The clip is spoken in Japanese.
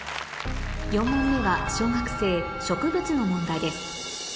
４問目は小学生植物の問題です